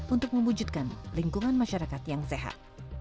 untuk mewujudkan lingkungan masyarakat yang sehat